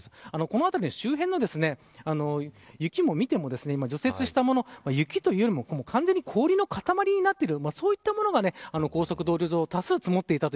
この辺り、周辺の雪も見ても除雪したもの雪というよりも完全に氷の塊になっているそういったものが高速道路上多数積もっていた。